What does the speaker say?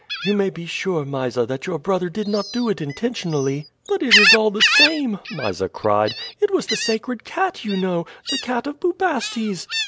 "You may be sure, Mysa, that your brother did not do it intentionally." "But it is all the same," Mysa cried. "It was the sacred cat, you know the Cat of Bubastes."